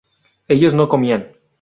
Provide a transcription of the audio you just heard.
ellos no comían